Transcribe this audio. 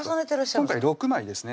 今回６枚ですね